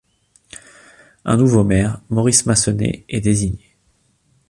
Un nouveau maire, Maurice Massenet, est désigné.